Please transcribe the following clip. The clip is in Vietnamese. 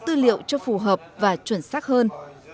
tư liệu cho phù hợp và chuẩn xác hơn